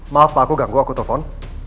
maaf pak aku ganggu aku telpon